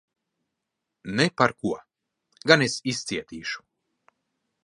Ne par ko! Gan es izcietīšu.